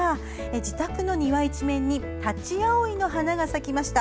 自宅の庭一面にタチアオイの花が咲きました。